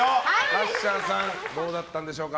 ラッシャーさんどうだったんでしょうか。